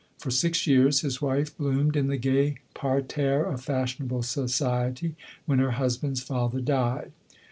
For ^ix years, his wife bloomed in the gay parterre of fashionable society, when her husband's father died.